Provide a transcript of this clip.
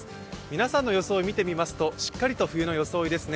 皆さんの装い見てみますと、しっかりと冬の装いですね。